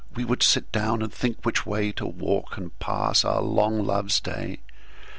We would sit down, and think which wayTo walk, and pass our long Loves Day.